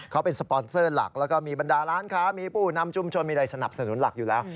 เขาเป็นสปอนเซอร์หลักแล้วก็มีบรรดาร้านค้ามีผู้นำชุมชนมีอะไรสนับสนุนหลักอยู่แล้ว